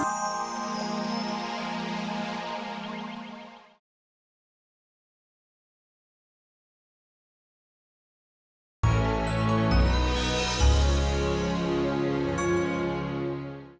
sampai jumpa di video selanjutnya